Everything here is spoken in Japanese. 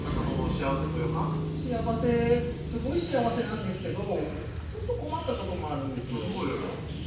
幸せすごい幸せなんですけどちょっと困ったこともあるんです何ぽよよ？